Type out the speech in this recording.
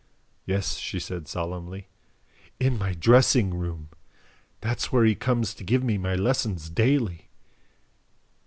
"Yes," she said solemnly, "IN MY DRESSING ROOM. That is where he comes to give me my lessons daily."